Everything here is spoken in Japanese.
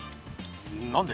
何で？